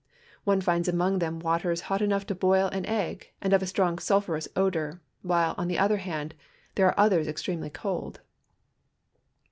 One finds among them waters hot enough to boil an egg and of a strong siilphui'ous odor, while, on the other hand, there are others extremel}' cold.